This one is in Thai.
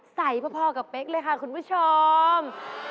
ใสพอกับเป๊กเลยค่ะคุณผู้ชม